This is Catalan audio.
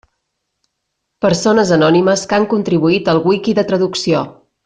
Persones anònimes que han contribuït al wiki de traducció.